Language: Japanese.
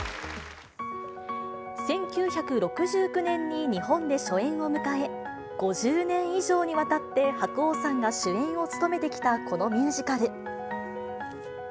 １９６９年に日本で初演を迎え、５０年以上にわたって白鸚さんが主演を務めてきたこのミュージカル。